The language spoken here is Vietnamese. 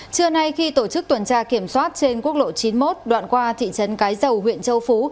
trưa nay khi tổ chức tuần tra kiểm soát trên quốc lộ chín mươi một đoạn qua thị trấn cái dầu huyện châu phú